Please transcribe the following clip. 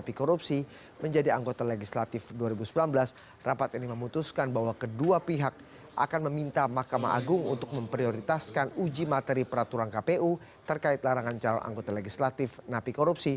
punya potensi untuk mengganggu